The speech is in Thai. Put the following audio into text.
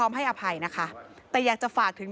มันมีโอกาสเกิดอุบัติเหตุได้นะครับ